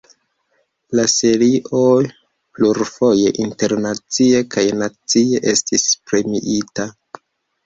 La serio plurfoje internacie kaj nacie estis premiita.